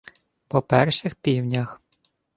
— По перших півнях.